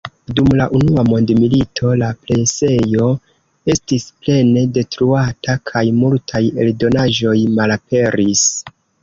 Dum la unua mondmilito la presejo estis plene detruata kaj multaj eldonaĵoj malaperis.